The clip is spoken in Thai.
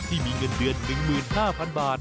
ที่มีเงินเดือน๑๕๐๐๐บาท